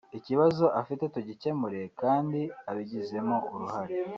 ikibazo afite tugikemure kandi abigizemo uruhare